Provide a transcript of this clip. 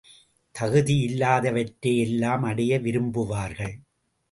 தகுதியில்லாதவற்றையெல்லாம் அடைய விரும்புவார்கள்.